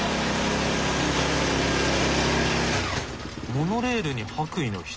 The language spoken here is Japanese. モノレールに白衣の人？